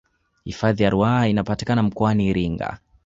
hifadhi ya ruaha inapatikana mkoani iringa